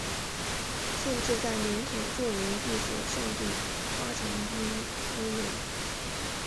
县治在缅甸著名避暑胜地花城彬乌伦。